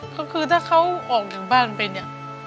ก็คือถ้าเขาออกจากบ้านไปเนี่ย